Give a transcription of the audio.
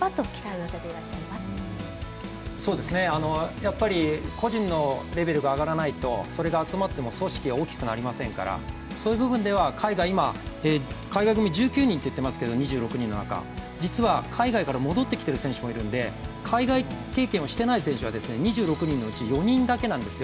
やっぱり個人のレベルが上がらないとそれが集まっても組織は大きくなりませんからそういう部分では海外組２６人の中１９人といっていますけど実は、海外から戻ってきてる選手もいるので海外経験をしてない選手は２６人のうち４人だけなんですよ。